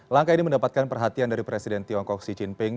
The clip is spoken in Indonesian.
langkah ini mendapatkan perhatian dari presiden tiongkok xi jinping